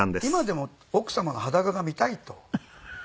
今でも奥様の裸が見たいと。